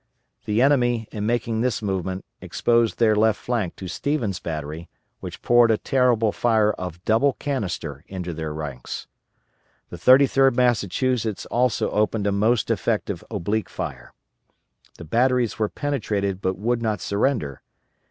The enemy, in making this movement, exposed their left flank to Stevens' battery, which poured a terrible fire of double canister into their ranks. The 33d Massachusetts also opened a most effective oblique fire. The batteries were penetrated but would not surrender.